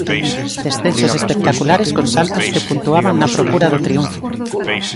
Descensos espectaculares con saltos que puntuaban na procura do triunfo.